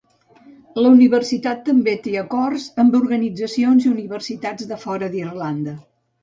La universitat també té acords amb organitzacions i universitats de fora d'Irlanda.